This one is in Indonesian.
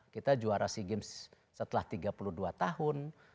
kita juara sea games setelah tiga puluh dua tahun